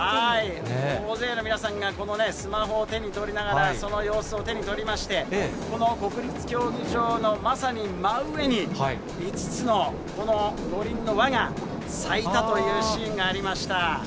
大勢の皆さんが、スマホを手に取りながら、その様子を手に取りまして、この国立競技場のまさに真上に、五つの五輪の輪が咲いたというシーンがありました。